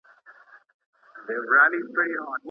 ولي د هدف لپاره د انسان داخلي لوږه کله هم نه مړه کیږي؟